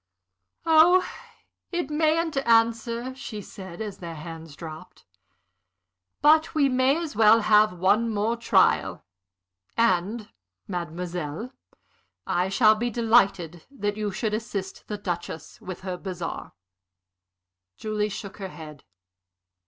"Oh, it mayn't answer," she said, as their hands dropped. "But we may as well have one more trial. And, mademoiselle, I shall be delighted that you should assist the Duchess with her bazaar." Julie shook her head.